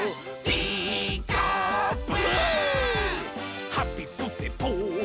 「ピーカーブ！」